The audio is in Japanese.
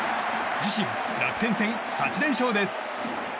自身、楽天戦８連勝です。